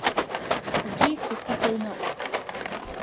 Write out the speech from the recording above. Саргьы исҭахуп аҩныҟа!